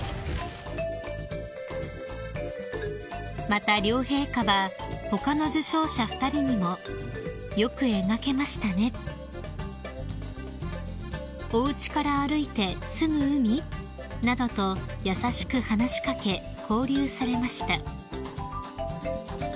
［また両陛下は他の受賞者２人にも「よく描けましたね」「おうちから歩いてすぐ海？」などと優しく話し掛け交流されました］